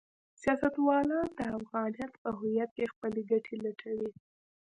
سیاستوالان د افغانیت په هویت کې خپلې ګټې لټوي.